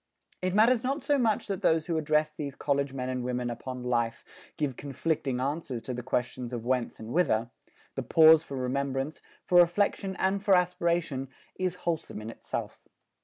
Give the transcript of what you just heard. It matters not so much that those who address these college men and women upon life, give conflicting answers to the questions of whence and whither: the pause for remembrance, for reflection and for aspiration is wholesome in itself.